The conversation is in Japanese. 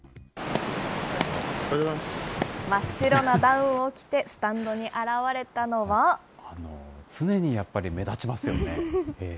真っ白なダウンを着て、スタ常にやっぱり目立ちますよね。